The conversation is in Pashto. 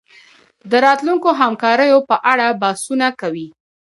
د راتلونکو همکاریو په اړه بحثونه کوي